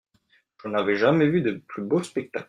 Je n’avais jamais vu de plus beau spectacle.